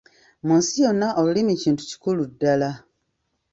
Mu nsi yonna Olulimi kintu kikulu ddala.